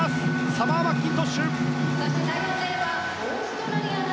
サマー・マッキントッシュ！